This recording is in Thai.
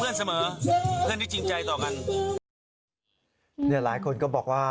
เนี่ยหลายคนก็บอกว่า